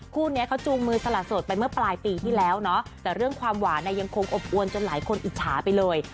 คู่นี้เขาจูงมือสละโสดไปเมื่อปลายปีที่แล้วเนาะแต่เรื่องความหวานเนี่ยยังคงอบอวนจนหลายคนอิจฉาไปเลย